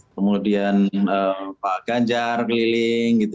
kemudian pak ganjar keliling